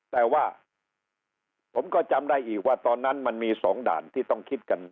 แต่ว่าผมก็จำได้อีกว่าตอนนั้นมันมี๒ด่านที่ต้องคิดกัน